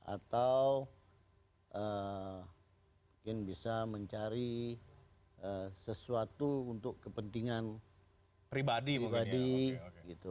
atau mungkin bisa mencari sesuatu untuk kepentingan pribadi